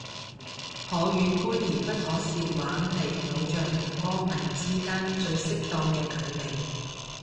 可遠觀而不可褻玩係偶像同歌迷之間最適當嘅距離